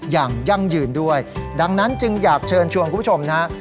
ยั่งยืนด้วยดังนั้นจึงอยากเชิญชวนคุณผู้ชมนะฮะ